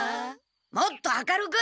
もっと明るく！